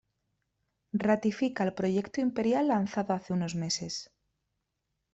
Ratifica el proyecto imperial lanzado hace unos meses.